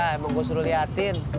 emang gue suruh liatin